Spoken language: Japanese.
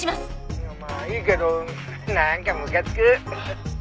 「いやまあいいけどなんかムカつく！」